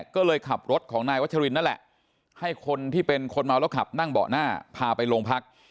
ก็เลยขับรถของนายวัชรินนั่นแหละให้คนที่เป็นคนเมาแล้วขับนั่งเบาะหน้าพาไปโรงพัก